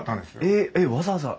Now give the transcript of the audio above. えっわざわざ？